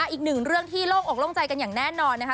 อีกหนึ่งเรื่องที่โล่งอกโล่งใจกันอย่างแน่นอนนะคะ